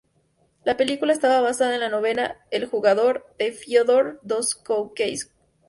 La película está basada en la novela "El jugador", de Fiódor Dostoyevski.